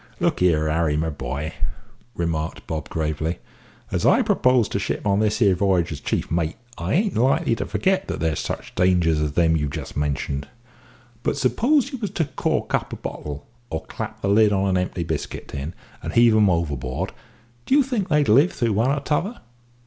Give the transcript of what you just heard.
"Look here, Harry, my boy," remarked Bob gravely, "as I propose to ship on this here v'y'ge as chief mate, I ain't likely to forget that there's such dangers as them you've just mentioned; But suppose you was to cork up a bottle, or clap the lid on an empty biscuit tin, and heave 'em overboard, do you think they'd live through one or t'other?